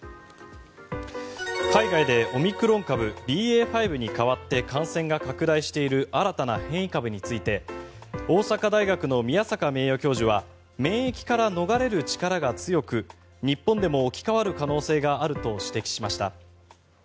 海外でオミクロン株ＢＡ．５に換わって感染が拡大している新たな変異株について大阪大学の宮坂名誉教授は免疫から逃れる力が強く日本でも置き換わる可能性があると指摘しました。